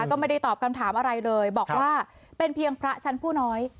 ก็ไม่ได้ตอบคำถามอะไรเลยบอกว่าเป็นเพียงพระชั้นผู้น้อย